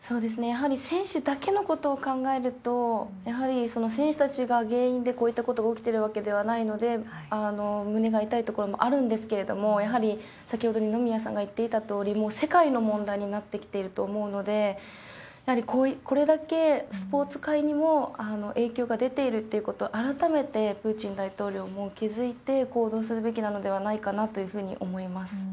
やはり選手だけのことを考えると、やはり選手たちが原因でこういったことが起きてるわけではないので、胸が痛いところもあるんですけれども、やはり先ほど二宮さんが言っていたとおり、もう世界の問題になってきていると思うので、やはりこれだけスポーツ界にも影響が出ているっていうことを、改めてプーチン大統領も気付いて行動するべきなのではないかなというふうに思います。